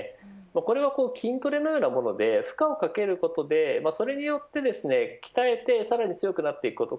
これは筋トレのようなもので負荷をかけることでそれによってですね鍛えてさらに強くなっていくこと。